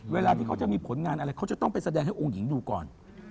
เวลาที่เขาจะมีผลงานอะไรเขาจะต้องไปแสดงให้องค์หญิงดูก่อน